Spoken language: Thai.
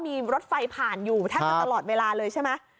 มีรถไฟผ่านอยู่แทบจะตลอดเวลาเลยใช่ไหม